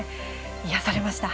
癒やされました。